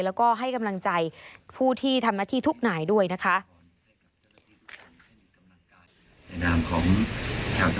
แล้วก็ให้กำลังใจผู้ที่ทำหน้าที่ทุกนายด้วยนะคะ